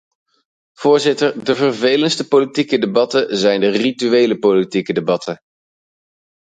Voorzitter, de vervelendste politieke debatten zijn de rituele politieke debatten.